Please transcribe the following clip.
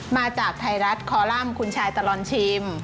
มาจากไทยรัฐคอลัมป์คุณชายตลอดชิม